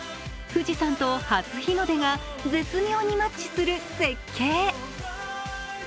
富士山と初日の出が絶妙にマッチする絶景。